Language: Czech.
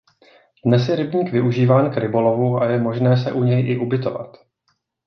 Dnes je rybník využíván k rybolovu a je možné se u něj i ubytovat.